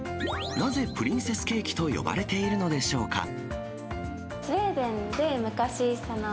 なぜプリンセスケーキと呼ばれているのでしょうか。